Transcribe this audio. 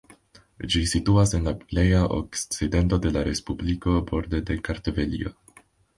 Ĝi situas en la pleja okcidento de la respubliko, borde de Kartvelio.